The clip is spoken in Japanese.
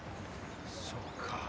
そうか。